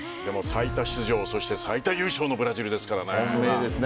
最多出場、そして最多優勝のブラジルですからね。